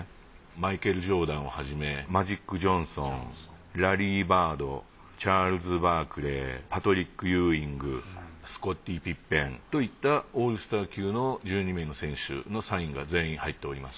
マイケル・ジョーダンをはじめマジック・ジョンソンラリー・バードチャールズ・バークレーパトリック・ユーイングスコッティ・ピッペンといったオールスター級の１２名の選手のサインが全員入っております。